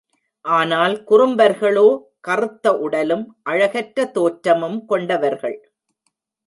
ஆனால் குறும்பர்களோ, கறுத்த உடலும், அழகற்ற தோற்றமும் கொண்டவர்கள்.